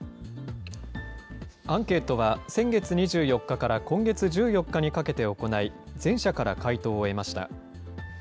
アンケートは先月２４日から今月１４日にかけて行い、全社から回答を得ました。